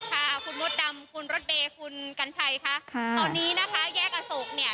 ค่ะคุณมดดำคุณรถเมย์คุณกัญชัยค่ะตอนนี้นะคะแยกอโศกเนี่ย